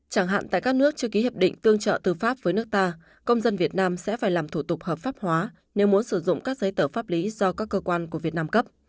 chẳng hạn tại các nước chưa ký hiệp định tương trợ tư pháp với nước ta công dân việt nam sẽ phải làm thủ tục hợp pháp hóa nếu muốn sử dụng các giấy tờ pháp lý do các cơ quan của việt nam cấp